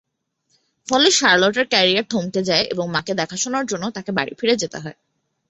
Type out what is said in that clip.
ফলে শার্লেটের ক্যারিয়ার থমকে যায় এবং মাকে দেখাশোনার জন্য তাকে বাড়ি ফিরে যেতে হয়।